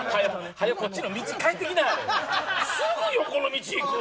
早く、こっちの道帰ってきなはれ。